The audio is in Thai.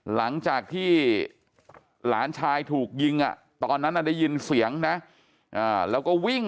หลังจากที่หลานชายถูกยิงตอนนั้นได้ยินเสียงนะแล้วก็วิ่ง